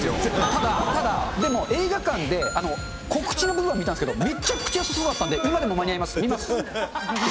ただ、ただ、でも映画館で、告知の部分は見たんですけど、めっちゃくちゃすごかったんで、今でも間に合います。